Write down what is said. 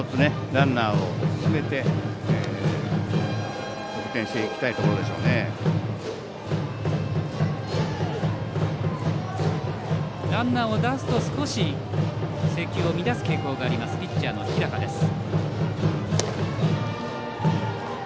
ランナーを出すと少し制球を乱す傾向があるピッチャーの日高です。